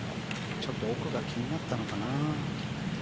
ちょっと奥が気になったのかな。